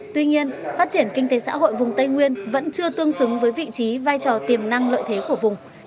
tuy nhiên phát triển kinh tế xã hội vùng tây nguyên vẫn chưa tương xứng với vị trí vai trò tiềm năng lợi thế của vùng